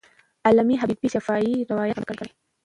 علامه حبیبي شفاهي روایت نقل کړی.